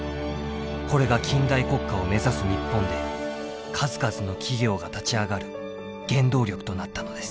これが近代国家を目指す日本で数々の企業が立ち上がる原動力となったのです。